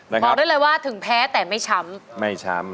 บอกได้เลยว่าถึงแพ้แต่ไม่ช้ำ